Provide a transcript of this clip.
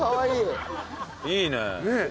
いいね！